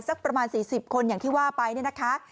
สักประมาณ๔๐คนอย่างที่ว่าไปเนี่ยนะคะ